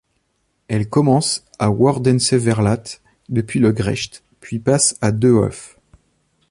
Elle commence à Woerdense Verlaat, depuis le Grecht, puis passe à De Hoef.